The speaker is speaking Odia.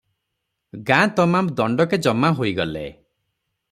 ଗାଁ ତମାମ୍ ଦଣ୍ଡକେ ଜମା ହୋଇଗଲେ ।